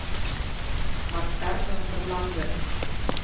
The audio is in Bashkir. Ҡарттар тынысһыҙланды: